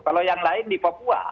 kalau yang lain di papua